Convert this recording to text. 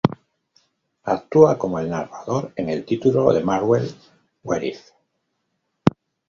Actúa como el narrador en el título de Marvel, "What If".